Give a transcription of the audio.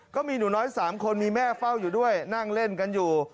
ก็มีหนูน้อย๓คนมีแม่เฝ้าอยู่ด้วยนั่งเล่นกันอยู่